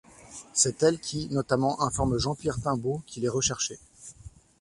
C'est elle qui, notamment, informe Jean-Pierre Timbaud qu'il est recherché.